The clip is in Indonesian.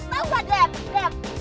tau gak dep